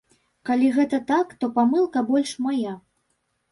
Калі гэта так, то памылка больш мая.